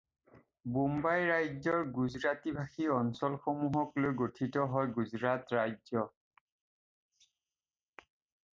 বোম্বাই ৰাজ্যৰ গুজৰাটী-ভাষী অঞ্চলসমূহক লৈ গঠিত হয় গুজৰাট ৰাজ্য।